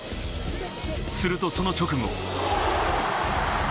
するとその直後。